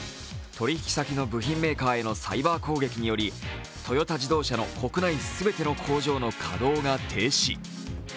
取引先の部品メーカーへのサイバー攻撃によりトヨタ自動車の国内全ての工場の稼働が停止。